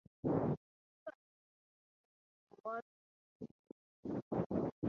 It was destroyed during the Wars of Religion.